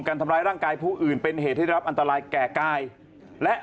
ทำร้ายร่างกายผู้อื่นเป็นเหตุให้รับอันตรายแก่กายและ